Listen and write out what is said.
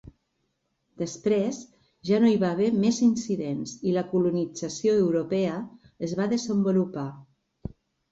Després ja no hi va haver més incidents i la colonització europea es va desenvolupar.